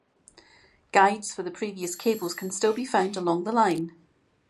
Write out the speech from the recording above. Guides for the previous cables can still be found along the line.